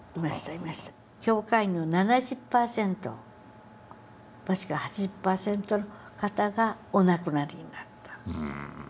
教会員の７０％もしくは８０％の方がお亡くなりになった。